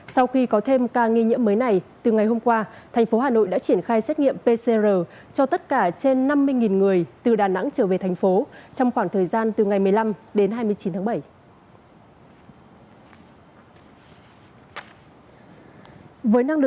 sau khi có thêm ca nghi nhiễm mới này từ ngày hôm qua thành phố hà nội đã triển khai xét nghiệm pcr cho tất cả trên năm mươi người từ đà nẵng trở về thành phố trong khoảng thời gian từ ngày một mươi năm đến hai mươi chín tháng bảy